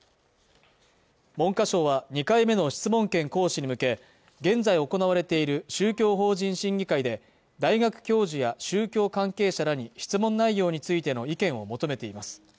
文科省は２回目の質問権行使に向け現在行われている宗教法人審議会で大学教授や宗教関係者らに質問内容についての意見を求めています